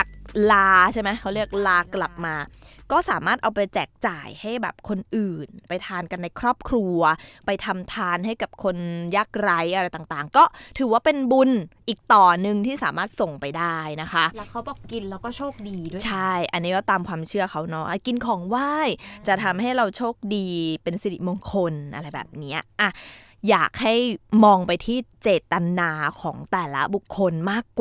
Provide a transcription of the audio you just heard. ก็ลาใช่ไหมเขาเรียกลากลับมาก็สามารถเอาไปแจกจ่ายให้แบบคนอื่นไปทานกันในครอบครัวไปทำทานให้กับคนยักษ์ไร้อะไรต่างก็ถือว่าเป็นบุญอีกต่อหนึ่งที่สามารถส่งไปได้นะคะแล้วเขาบอกกินแล้วก็โชคดีด้วยใช่อันนี้ก็ตามความเชื่อเขาเนาะกินของไหว้จะทำให้เราโชคดีเป็นสิริมงคลอะไรแบบเนี้ยอ่ะอยากให้มองไปที่เจตนาของแต่ละบุคคลมากกว่า